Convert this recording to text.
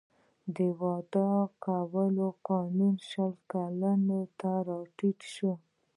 د واده کولو قانون شل کلنۍ ته راټیټ شو.